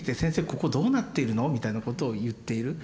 ここどうなっているの？みたいなことを言っている。